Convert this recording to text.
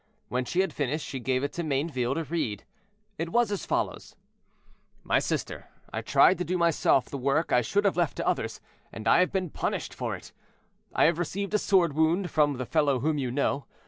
When she had finished, she gave it to Mayneville to read. It was as follows: "MY SISTER—I tried to do myself the work I should have left to others, and I have been punished for it. I have received a sword wound from the fellow whom you know.